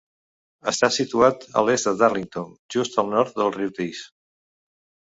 Està situat a l'est de Darlington, just al nord del riu Tees.